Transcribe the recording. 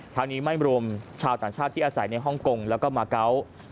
ทั้งนี้ไม่รวมชาวต่างชาติที่อาศัยในฮ่องกงแล้วก็มาเกาะ